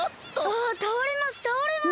あたおれます！